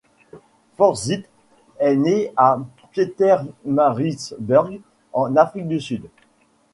Forsyth est né à Pietermaritzburg en Afrique du Sud.